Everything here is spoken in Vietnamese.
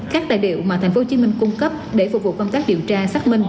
các tài liệu mà tp hcm cung cấp để phục vụ công tác điều tra xác minh